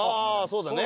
そうだね。